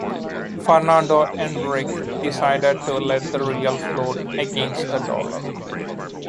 Fernando Henrique decided to let the Real float against the dollar.